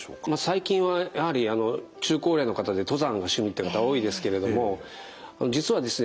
最近はやはり中高齢の方で登山が趣味って方多いですけれども実はですね